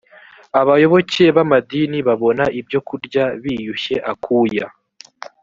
abayoboke b’amadini babona ibyo kurya biyushye akuya